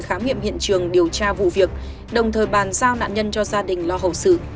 khám nghiệm hiện trường điều tra vụ việc đồng thời bàn giao nạn nhân cho gia đình lo hậu sự